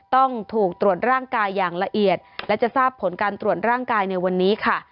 ต้องถูกตรวจร่างกายอย่างละเอียดและจะทราบผลการตรวจร่างกายในวันนี้ค่ะ